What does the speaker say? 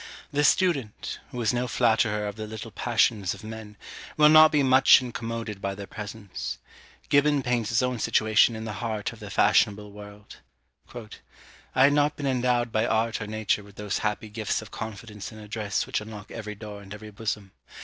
The student, who is no flatterer of the little passions of men, will not be much incommoded by their presence. Gibbon paints his own situation in the heart of the fashionable world: "I had not been endowed by art or nature with those happy gifts of confidence and address which unlock every door and every bosom.